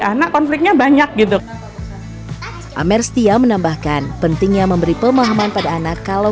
anak konfliknya banyak gitu amer setia menambahkan pentingnya memberi pemahaman pada anak kalau